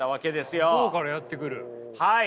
はい。